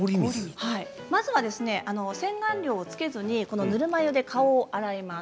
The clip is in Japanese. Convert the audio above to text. まずは洗顔料をつけずにぬるま湯で顔を洗います。